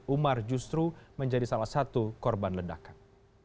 umar justru menjadi salah satu korban ledakan